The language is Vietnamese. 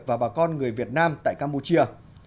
và bà con người việt nam tại campuchia